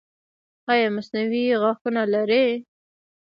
ایا مصنوعي غاښونه لرئ؟